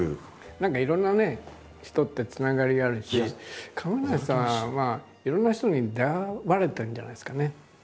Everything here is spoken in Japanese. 何かいろんなね人ってつながりがあるし亀梨さんはいろんな人に出会われてるんじゃないですかね。